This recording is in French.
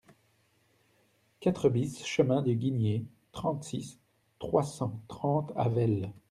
quatre BIS chemin du Guignier, trente-six, trois cent trente à Velles